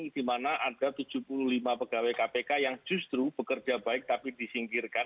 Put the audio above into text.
di mana ada tujuh puluh lima pegawai kpk yang justru bekerja baik tapi disingkirkan